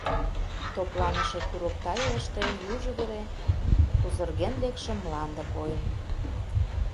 Топланыше курык тайылыште южо вере пузырген лекше мланде койын.